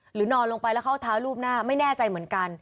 นอนลงไปแล้วเขาเอาเท้ารูปหน้าไม่แน่ใจเหมือนกัน